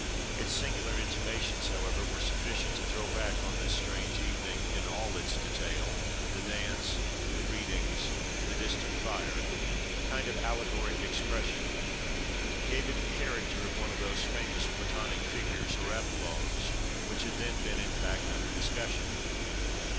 Its singular intimations, however, were sufficient to throw back on this strange evening, in all its detail—the dance, the readings, the distant fire—a kind of allegoric expression: gave it the character of one of those famous Platonic figures or apologues which had then been in fact under discussion.